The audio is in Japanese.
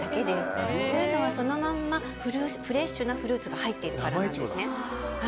というのは、そのままフレッシュなフルーツが入っているからなんですね。